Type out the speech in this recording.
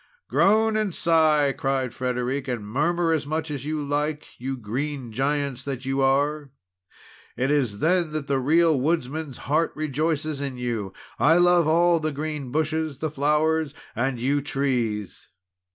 "Groan and sigh," cried Frederic, "and murmur as much as you like, you green giants that you are! It is then that the real woodsman's heart rejoices in you! I love all, the green bushes, the flowers, and you trees!"